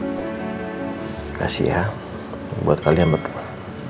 makasih ya buat kalian berdua